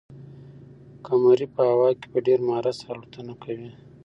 قمري په هوا کې په ډېر مهارت سره الوتنه کوي.